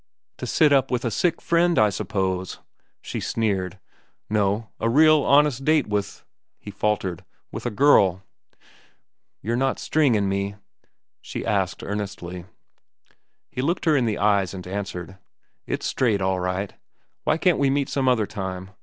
"To sit up with a sick friend, I suppose?" she sneered. "No, a real, honest date with—" he faltered, "with a girl." "You're not stringin' me?" she asked earnestly. He looked her in the eyes and answered: "It's straight, all right. But why can't we meet some other time?